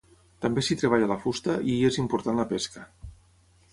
També s'hi treballa la fusta, i hi és important la pesca.